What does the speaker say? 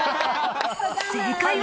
正解は。